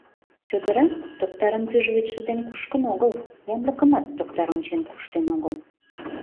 Чодыра Токтарын пӱжвӱдшӧ ден кушкын огыл, янлыкымат Токтар ончен куштен огыл...